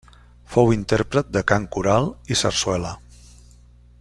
Fou intèrpret de cant coral i sarsuela.